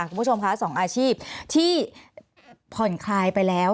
คุณผู้ชมคะ๒อาชีพที่ผ่อนคลายไปแล้ว